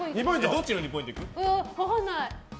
どっちの２ポイント？